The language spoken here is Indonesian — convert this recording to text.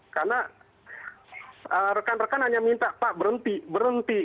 karena rekan rekan hanya minta pak berhenti berhenti